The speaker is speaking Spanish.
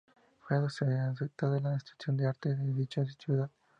Fue aceptada en el Instituto de Arte de dicha ciudad.